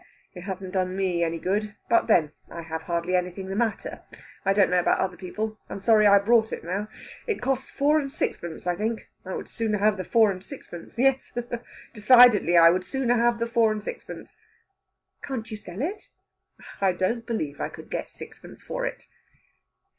It hasn't done me any good. But then, I have hardly anything the matter. I don't know about other people. I'm sorry I bought it, now. It cost four and sixpence, I think. I would sooner have the four and sixpence.... Yes, decidedly! I would sooner have the four and sixpence." "Can't you sell it?" "I don't believe I could get sixpence for it."